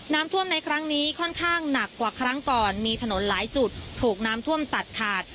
น้ำท่วมในครั้งนี้ค่อนข้างหนักกว่าครั้งก่อนมีถนนหลายจุดถูกน้ำท่วมตัดขาด